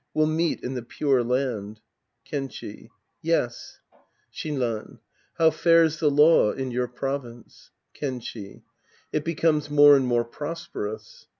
We'll meet in the Pure Land. Kenchi. Yes. Shinran. How fares the law in your pro\'ince ? Kenchi. It becomes more and more prosperous.